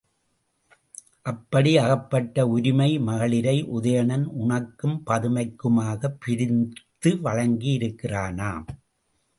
அப்படி அகப்பட்ட உரிமை மகளிரை உதயணன் உனக்கும் பதுமைக்குமாகப் பிரித்து வழங்கியிருக்கிறானாம்.